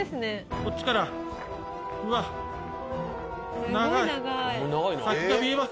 こっちからうわっ長い。